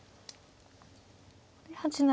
８七